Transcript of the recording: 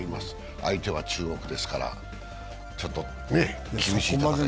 相手は中国ですからちょっと厳しい戦い。